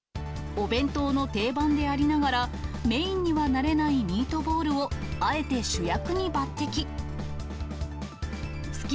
お弁当の定番でありながら、メインにはなれないミートボールを、あえて主役に抜てき。